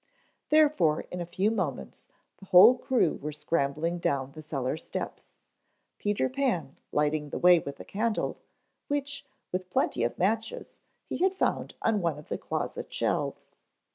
Therefore in a few moments the whole crew were scrambling down the cellar steps, Peter Pan lighting the way with a candle, which, with plenty of matches, he had found on one of the closet shelves.